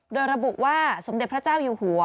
โดยระบุว่าสมเด็จพระเจ้าอยู่หัว